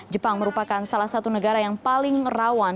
jepang merupakan salah satu negara yang paling rawan